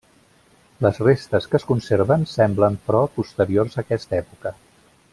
Les restes que es conserven semblen, però, posteriors a aquesta època.